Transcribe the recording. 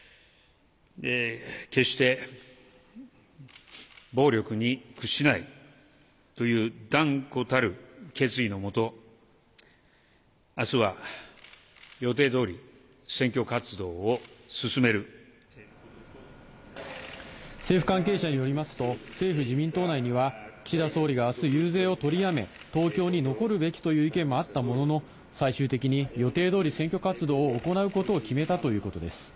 決して暴力に屈しないという断固たる決意のもと、あすは予定どおり、政府関係者によりますと、政府・自民党内には、岸田総理があす、遊説を取りやめ、東京に残るべきという意見もあったものの、最終的に予定どおり、選挙活動を行うことを決めたということです。